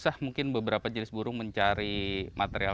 susah mungkin beberapa jenis burung ini untuk dikumpulkan